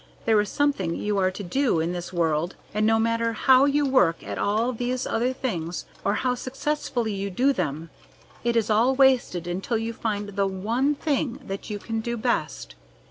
There is something you are to do in this world, and no matter how you work at all these other things, or how successfully you do them, it is all wasted until you find the ONE THING that you can do best.